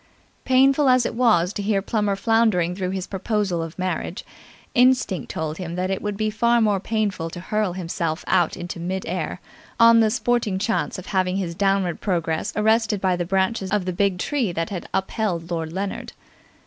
Painful as it was to hear Plummer floundering through his proposal of marriage, instinct told him that it would be far more painful to hurl himself out into mid air on the sporting chance of having his downward progress arrested by the branches of the big tree that had upheld Lord Leonard.